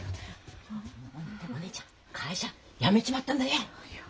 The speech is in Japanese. お姉ちゃん会社辞めちまったんだよ！